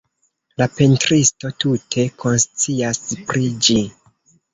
La pentristo tute konscias pri ĝi.